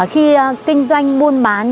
khi kinh doanh buôn bán